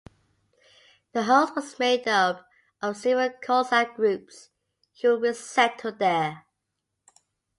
The host was made up of several Cossack groups who were re-settled there.